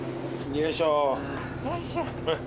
よいしょ。